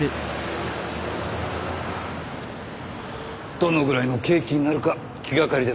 どのぐらいの刑期になるか気がかりです。